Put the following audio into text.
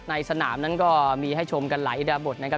ในสนามนั้นก็มีให้ชมกันหลายอิดาบทนะครับ